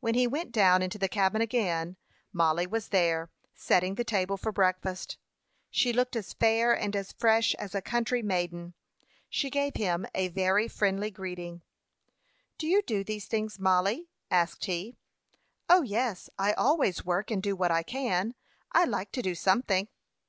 When he went down into the cabin again, Mollie was there, setting the table for breakfast. She looked as fair and as fresh as a country maiden. She gave him a very friendly greeting. "Do you do these things, Mollie?" asked he. "O, yes; I always work, and do what I can. I like to do something."